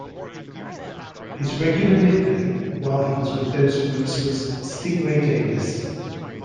His regular nickname while he was with those groups was "Sting Ray" Davis.